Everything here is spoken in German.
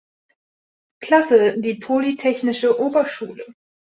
Klasse die Polytechnische Oberschule.